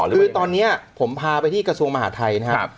คือตอนนี้ผมพาไปที่กระทรวงมหาทัยนะครับ